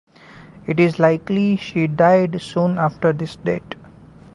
It is likely she died soon after this date.